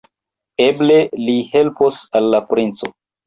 Eble, li helpos al la princo!